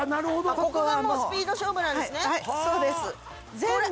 ここがもうスピード勝負なんですね